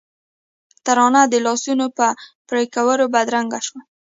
ترانه د لاسونو په پړکولو بدرګه شوه.